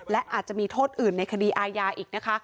และอาจจะมีโทษอื่นในคดีอาญาอีกนะคะ